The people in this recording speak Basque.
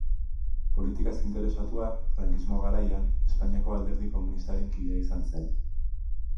Politikaz interesatua, frankismo garaian, Espainiako Alderdi Komunistaren kidea izan zen.